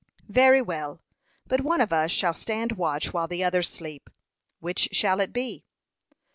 "Very well; but one of us shall stand watch while the others sleep. Which shall it be?"